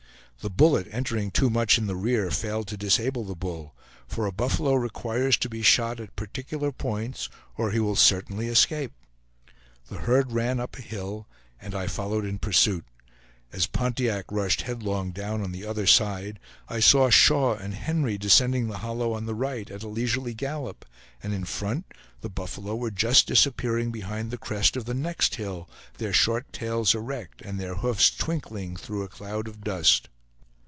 The bullet, entering too much in the rear, failed to disable the bull, for a buffalo requires to be shot at particular points, or he will certainly escape. The herd ran up a hill, and I followed in pursuit. As Pontiac rushed headlong down on the other side, I saw Shaw and Henry descending the hollow on the right, at a leisurely gallop; and in front, the buffalo were just disappearing behind the crest of the next hill, their short tails erect, and their hoofs twinkling through a cloud of dust.